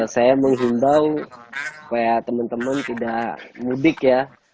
saya menghimbau supaya teman teman tidak mudik ya